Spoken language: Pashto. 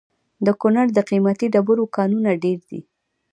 د کونړ د قیمتي ډبرو کانونه ډیر دي؟